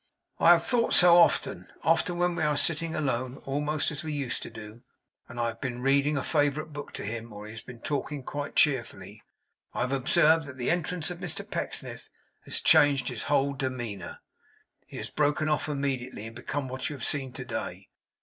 'I have thought so, often. Often when we are sitting alone, almost as we used to do, and I have been reading a favourite book to him or he has been talking quite cheerfully, I have observed that the entrance of Mr Pecksniff has changed his whole demeanour. He has broken off immediately, and become what you have seen to day.